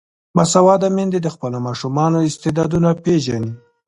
باسواده میندې د خپلو ماشومانو استعدادونه پیژني.